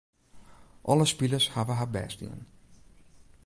Alle spilers hawwe har bêst dien.